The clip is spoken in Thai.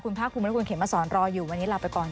คุณภาคคุณบริกุณเขียนมาสอนรออยู่วันนี้ลาไปก่อน